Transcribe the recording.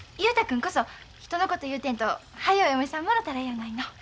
君こそ人のこと言うてんとはよお嫁さんもろたらえやないの。